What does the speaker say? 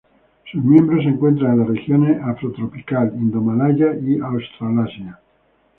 Sus miembros se encuentran en las regiones afrotropical, indomalaya y Australasia.